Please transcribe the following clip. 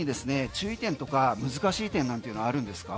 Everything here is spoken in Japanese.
注意点とか難しい点なんていうのはあるんですか？